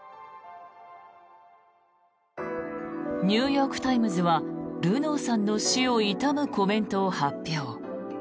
ニューヨーク・タイムズはルノーさんの死を悼むコメントを発表。